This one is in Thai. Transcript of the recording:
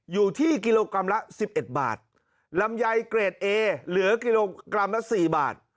อยู่ที่กิโลกรัมละสิบเอ็ดบาทลำไยเกรดเอเหลือกิโลกรัมละสี่บาท